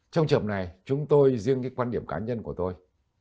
trong trầm này chúng tôi riêng cái quan điểm cá nhân của tôi